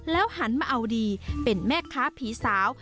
หันมาเอาดีเป็นแม่ค้าผีสาว